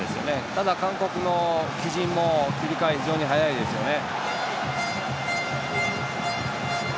ただ、韓国の布陣も切り替え、非常に速いですよね。